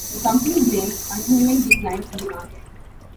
The company blamed "continuing decline" in the market.